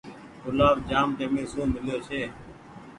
گلآب جآم ٽيمي سون ميليو ڇي۔